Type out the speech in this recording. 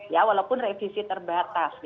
ya walaupun revisi terbatas